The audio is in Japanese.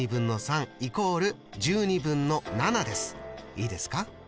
いいですか？